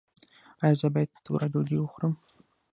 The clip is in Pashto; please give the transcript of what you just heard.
ایا زه باید توره ډوډۍ وخورم؟